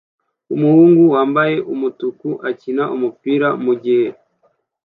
Umuhungu wambaye umutuku akina umupira mugihe